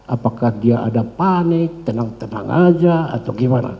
apakah dia ada panik tenang tenang aja atau gimana